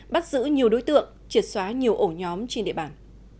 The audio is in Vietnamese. bắt giữ nhiều đối tượng triệt xóa nhiều ổ nhóm trên địa bàn